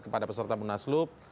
kepada peserta munaslub